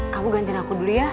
kamu gantiin aku dulu ya